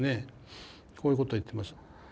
こういうこと言ってます。